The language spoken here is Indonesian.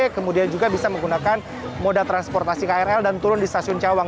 kemudian juga bisa menggunakan moda transportasi krl dan turun di stasiun cawang